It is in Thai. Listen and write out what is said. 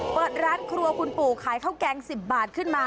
เปิดร้านครัวคุณปู่ขายข้าวแกง๑๐บาทขึ้นมา